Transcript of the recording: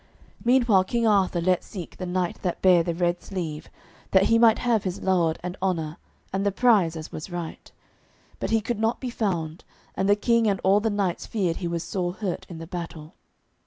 Meanwhile King Arthur let seek the knight that bare the red sleeve, that he might have his laud and honour, and the prize, as was right. But he could not be found, and the King and all the knights feared he was sore hurt in the battle.